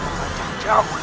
apa yang sedang dia lakukan